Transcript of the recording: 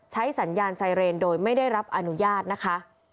สัญญาณไซเรนโดยไม่ได้รับอนุญาตนะคะ